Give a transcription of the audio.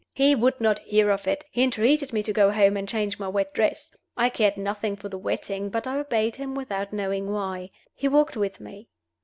He would not hear of it; he entreated me to go home and change my wet dress. I cared nothing for the wetting, but I obeyed him without knowing why. He walked with me.